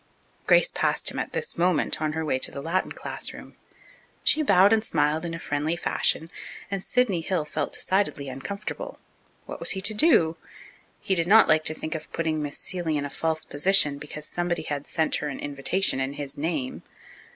Grace passed him at this moment on her way to the Latin classroom. She bowed and smiled in a friendly fashion and Sidney Hill felt decidedly uncomfortable. What was he to do? He did not like to think of putting Miss Seeley in a false position because somebody had sent her an invitation in his name.